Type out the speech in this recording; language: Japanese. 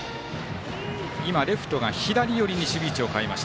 レフトが左寄りに守備位置を変えています。